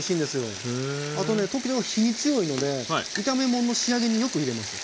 特徴は火に強いので炒め物の仕上げによく入れます。